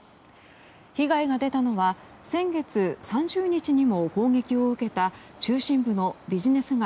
被害が出たのは先月３０日にも攻撃を受けた中心部のビジネス街